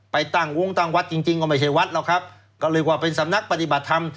ไปตั้งวงตั้งวัดจริงจริงก็ไม่ใช่วัดหรอกครับก็เรียกว่าเป็นสำนักปฏิบัติธรรม